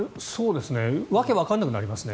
訳わからなくなりますね。